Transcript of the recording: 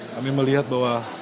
kami melihat bahwa